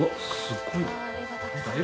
すごい。